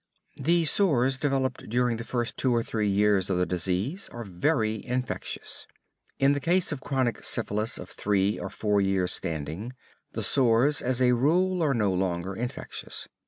The sores developed during the first two or three years of the disease are very infectious. In the case of a chronic syphilis of three or four years' standing, the sores as a rule are no longer infectious.